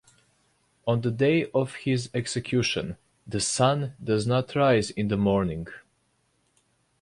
On the day of his execution, the sun does not rise in the morning.